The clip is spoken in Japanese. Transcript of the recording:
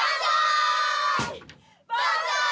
バンザイ！